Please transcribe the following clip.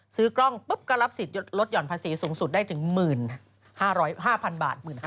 ซื้อกล้องปุ๊บก็รับสิทธิ์ลดห่อนภาษีสูงสุดได้ถึง๑๕๐๐๐บาท๑๕๐๐